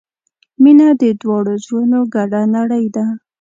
• مینه د دواړو زړونو ګډه نړۍ ده.